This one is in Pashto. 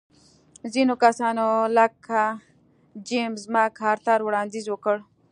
ځینو کسانو لکه جېمز مک ارتر وړاندیز وکړ.